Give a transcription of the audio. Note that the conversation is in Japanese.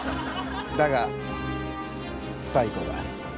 だが最高だ。